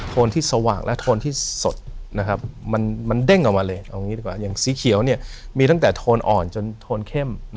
โทนที่สว่างและโทนที่สดนะครับมันเด้งออกมาเลยอย่างสีเขียวมีตั้งแต่โทนอ่อนจนโทนเข้ม